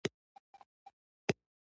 سړک که وچه وي، مزل اسان وي.